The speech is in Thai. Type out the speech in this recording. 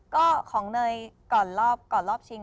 ก็ของเนยก่อนรอบชิง